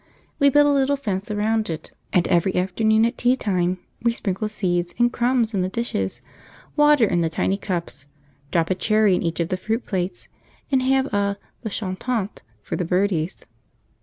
We built a little fence around it, and every afternoon at tea time we sprinkle seeds and crumbs in the dishes, water in the tiny cups, drop a cherry in each of the fruit plates, and have a the chantant for the birdies.